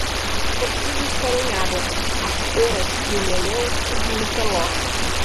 Os figos querem água; as pêras e o melão, o vinho felló.